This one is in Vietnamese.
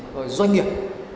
rồi doanh nghiệp